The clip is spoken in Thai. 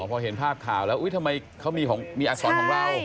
พอเห็นภาพข่าวแล้วทำไมเขามีอักษรของเรา